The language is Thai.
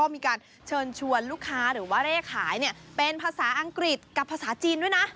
มีการเชิญชวนลูกค้าหรือว่าเร่ขายเป็นภาษาอังกฤษกับภาษาจีนด้วยนะ